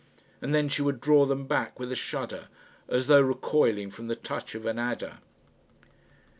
And then she would draw them back with a shudder, as though recoiling from the touch of an adder.